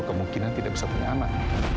kemungkinan tidak bisa punya anak